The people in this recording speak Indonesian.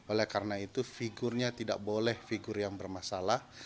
oleh karena itu figurnya tidak boleh figur yang bermasalah